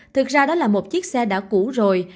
thực ra đó là một chiếc xe đã cũ rồi